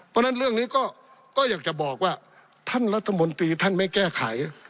เพราะฉะนั้นเรื่องนี้ก็อยากจะบอกว่าท่านรัฐมนตรีท่านไม่แก้ไข